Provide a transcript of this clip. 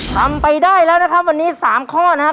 ทำไปได้แล้วนะครับวันนี้๓ข้อนะครับ